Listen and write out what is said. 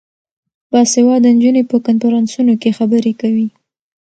باسواده نجونې په کنفرانسونو کې خبرې کوي.